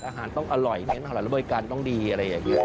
อาหารต้องอร่อยเพราะฉะนั้นหรือบริการต้องดีอะไรอย่างนี้